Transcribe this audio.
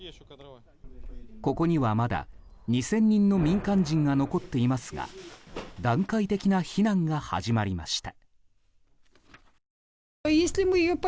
ここにはまだ２０００人の民間人が残っていますが段階的な避難が始まりました。